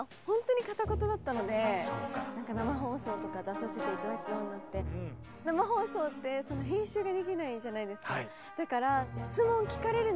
生放送とか出させて頂くようになって生放送って編集ができないじゃないですか。